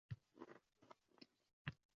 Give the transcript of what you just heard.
Nima uchun ma'lum masofalardagi haqlar?